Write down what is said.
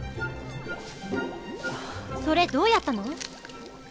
それどうやったの？